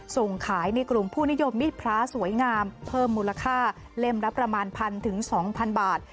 ส่งขายในกลุ่มผู้นิยมมีดพระสวยงามเพิ่มมูลค่าเล่มละประมาณ๑๐๐๒๐๐บาท